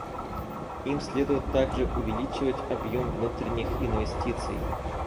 Им следует также увеличивать объем внутренних инвестиций.